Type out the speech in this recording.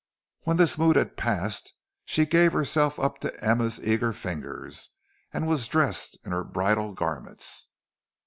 When this mood had passed, she gave herself up to Emma's eager fingers, and was dressed in her bridal garments.